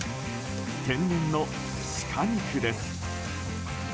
天然の鹿肉です。